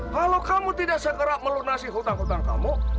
kalau kamu tidak segera melunasi hutang hutang kamu